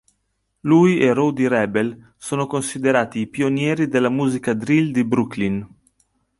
Lui e Rowdy Rebel sono considerati i pionieri della musica drill di Brooklyn.